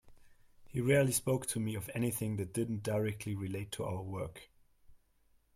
He rarely spoke to me of anything that didn't directly relate to our work.